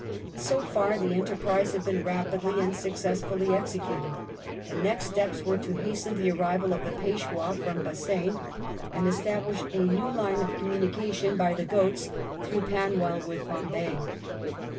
So far the enterprise had been rapidly and success fully executed The next steps were to hasten the arrival of the Peishwah from Bassein, and establish a Ill RETURN OF THE PEISHWAH 67 new line of communication, by the Ghauts, through Panwell with Bombay.